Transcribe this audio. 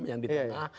yang di tengah